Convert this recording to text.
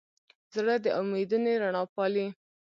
زړه د امیدونو رڼا پالي.